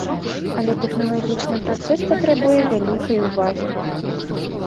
Але тэхналагічны працэс патрабуе вялікай увагі.